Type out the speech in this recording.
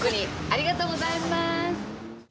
ありがとうございます。